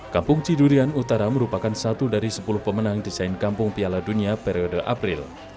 kampung cidurian utara merupakan satu dari sepuluh pemenang desain kampung piala dunia periode april